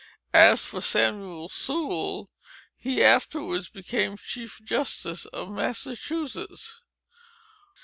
As for Samuel Sewell, he afterwards became Chief Justice of Massachusetts.